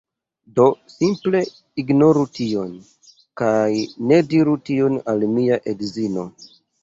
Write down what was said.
Do simple ignoru tion, kaj ne diru tion al mia edzino.